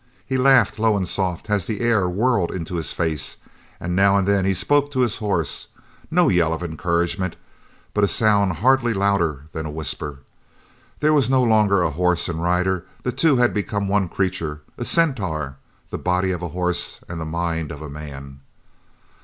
He laughed low and soft as the air whirred into his face, and now and then he spoke to his horse, no yell of encouragement, but a sound hardly louder than a whisper. There was no longer a horse and rider the two had become one creature a centaur the body of a horse and the mind of a man.